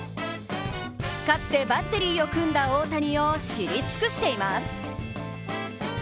かつてバッテリーを組んだ大谷を知り尽くしています。